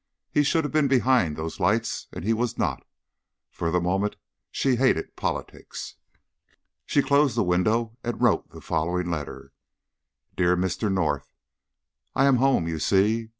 He should have been behind those lights and he was not. For the moment she hated politics. She closed the window and wrote the following letter: DEAR MR. NORTH, I am home, you see.